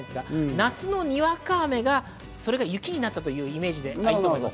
夏のにわか雨が雪になったというイメージです。